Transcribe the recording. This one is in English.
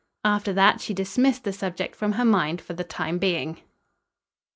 After that she dismissed the subject from her mind for the time being.